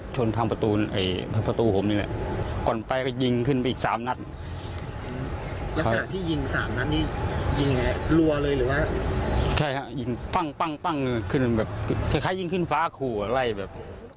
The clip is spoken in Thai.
ใช่ครับยิงปั้งคลิกแค่ยิงขึ้นฟ้าขู่อะไรแบบ